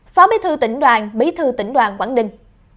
phó bí thư tỉnh đoàn bí thư tỉnh đoàn quảng ninh